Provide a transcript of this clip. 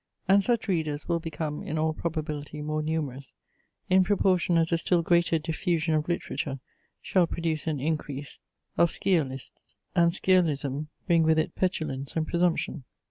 And such readers will become in all probability more numerous, in proportion as a still greater diffusion of literature shall produce an increase of sciolists, and sciolism bring with it petulance and presumption.